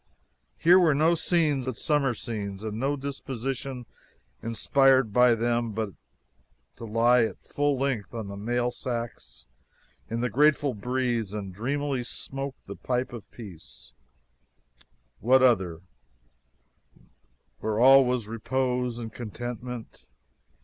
Here were no scenes but summer scenes, and no disposition inspired by them but to lie at full length on the mail sacks in the grateful breeze and dreamily smoke the pipe of peace what other, where all was repose and contentment?